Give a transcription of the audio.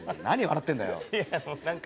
何笑ってんだよ。